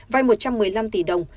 vay một trăm một mươi năm tỷ đồng